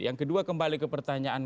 yang kedua kembali ke pertanyaan